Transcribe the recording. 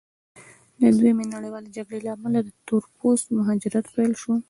د دویمې نړیوالې جګړې له امله د تور پوستو مهاجرت پیل شو.